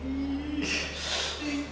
bisa cepet gak